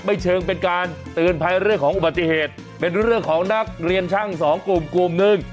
เชิงเป็นการเตือนภัยเรื่องของอุบัติเหตุเป็นเรื่องของนักเรียนช่างสองกลุ่มกลุ่มหนึ่ง